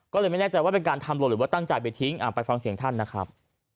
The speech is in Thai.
ก็เลยไม่แน่ใจว่าเป็นการทำหล่นหรือว่าตั้งใจไปทิ้งไปฟังเสียงท่านนะครับ